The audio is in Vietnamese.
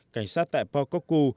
cảnh sát tại pokokku